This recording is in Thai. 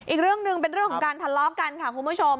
อีกเรื่องหนึ่งเป็นเรื่องของการทะเลาะกันค่ะคุณผู้ชม